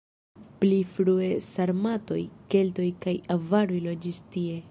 Pli frue sarmatoj, keltoj kaj avaroj loĝis tie.